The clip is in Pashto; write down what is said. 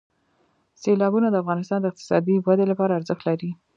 سیلابونه د افغانستان د اقتصادي ودې لپاره ارزښت لري.